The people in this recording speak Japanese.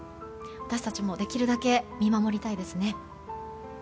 私たちもできるだけ見守りたいですね。